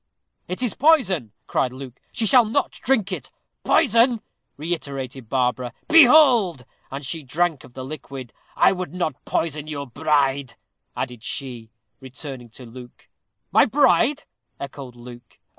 "It is poison," cried Luke. "She shall not drink it." "Poison!" reiterated Barbara. "Behold!" and she drank of the liquid. "I would not poison your bride," added she, turning to Luke. "My bride!" echoed Luke.